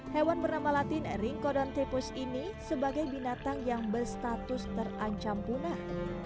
hewan bernama latin rincodontepus ini sebagai binatang yang berstatus terancam punah